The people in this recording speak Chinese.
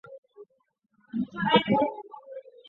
这笔费用因所采用的语言而异。